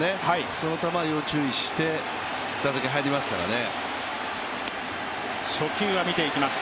その球、要注意して打席に入りますからね。